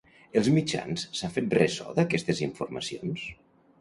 Els mitjans s'han fet ressò d'aquestes informacions?